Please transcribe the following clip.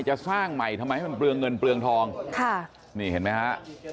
จะสร้างใหม่ทำไมให้มันเปลืองเงินเปลืองทองค่ะนี่เห็นไหมฮะ